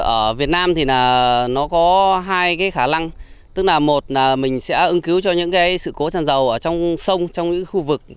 ở việt nam thì là nó có hai cái khả năng tức là một là mình sẽ ứng cứu cho những sự cố tràn dầu ở trong sông trong những khu vực